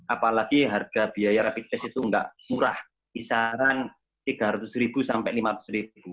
apalagi harga biaya rapid test itu nggak murah kisaran rp tiga ratus sampai rp lima belas